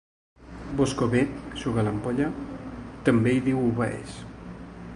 Bosco ve, eixuga l'ampolla» també hi diu obeeix.